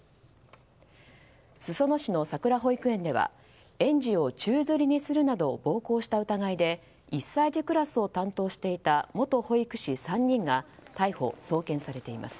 裾野市のさくら保育園では園児を宙づりにするなど暴行した疑いで１歳児クラスを担当していた元保育士３人が逮捕・送検されています。